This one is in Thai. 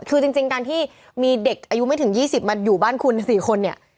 คือจริงการที่มีเด็กอายุไม่ถึง๒๐มาอยู่บ้านคุณ๔คนเนี่ย